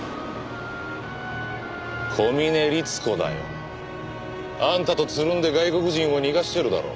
小峰律子だよ。あんたとつるんで外国人を逃がしてるだろ。